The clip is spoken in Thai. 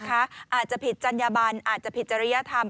อาจจะผิดจรรยาบรรณอาจจะผิดจริยธรรม